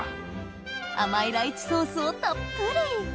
甘いライチソースをたっぷり！